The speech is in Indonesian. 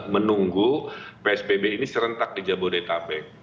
menunggu psbb ini serentak di jabodetabek